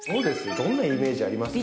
どんなイメージありますか？